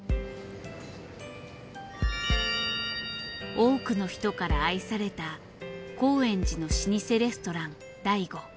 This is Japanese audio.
多くの人から愛された高円寺の老舗レストラン醍醐。